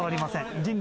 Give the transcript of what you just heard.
人類。